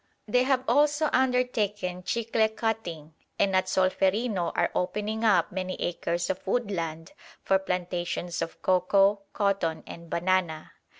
They have also undertaken chicle cutting, and at Solferino are opening up many acres of woodland for plantations of cocoa, cotton, and banana.